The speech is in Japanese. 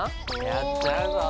やっちゃうぞ！